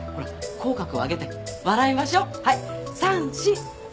口角を上げて笑いましょうはい３・４！